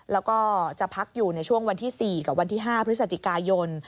แล้วก็จะพักอยู่ในช่วงวันที่๔กับวันที่๕พฤศจิกายน